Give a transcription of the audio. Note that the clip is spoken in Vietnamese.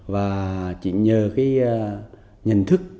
và chỉ nhờ cái nhận thức